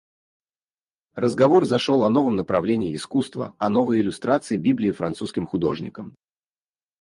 Разговор зашел о новом направлении искусства, о новой иллюстрации Библии французским художником.